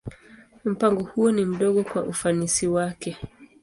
Mpango huo ni mdogo kwa ufanisi wake.